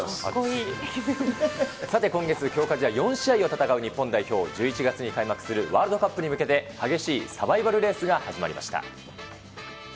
さて、今月、強化試合４試合を戦う日本代表、１１月に開幕するワールドカップに向けて、激しいサバイバルレースが始まりました。